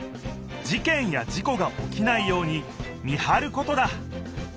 事件や事故がおきないように見はることだ。